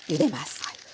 はい。